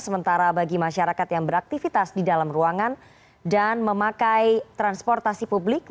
sementara bagi masyarakat yang beraktivitas di dalam ruangan dan memakai transportasi publik